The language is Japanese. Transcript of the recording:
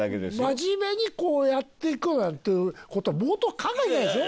真面目にやっていこうなんていう事は毛頭考えてないでしょ？